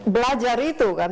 belajar itu kan